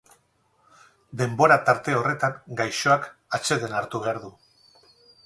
Denbora tarte horretan gaixoak atsedena hartu behar du.